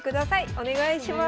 お願いします。